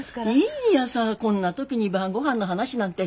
いいんやさこんな時に晩ごはんの話なんて。